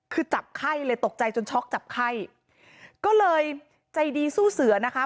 คือจับไข้เลยตกใจจนช็อกจับไข้ก็เลยใจดีสู้เสือนะคะ